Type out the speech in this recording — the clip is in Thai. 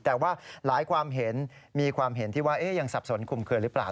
แต่ว่าหลายความเห็นมีความเห็นที่ว่ายังสับสนคุมเคลือหรือเปล่า